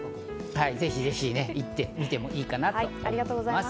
ぜひぜひ、行ってみてもいいかなと思います。